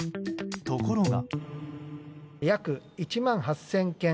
ところが。